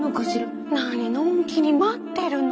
何のんきに待ってるの。